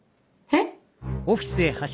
えっ！？